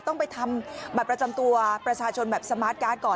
ต้องไปทำบัตรประจำตัวประชาชนแบบสมาร์ทการ์ดก่อน